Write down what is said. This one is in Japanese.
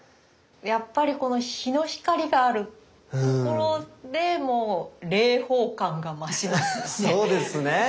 やっぱりこの日の光があるところでもう霊峰感が増しますよね。